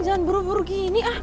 jangan buru buru gini